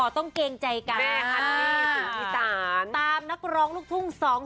ตามนักร้องลูกทุ่งสอง